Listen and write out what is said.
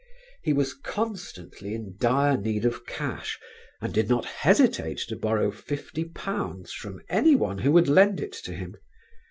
He was constantly in dire need of cash and did not hesitate to borrow fifty pounds from anyone who would lend it to him.